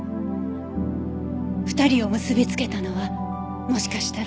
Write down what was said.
２人を結びつけたのはもしかしたら。